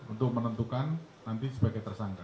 untuk menentukan nanti sebagai tersangka